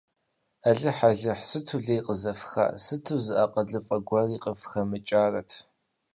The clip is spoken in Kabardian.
Алыхь-Алыхь, сыту лей къызэфха, сыту зы акъылыфӀэ гуэри къыфхэмыкӀарэт.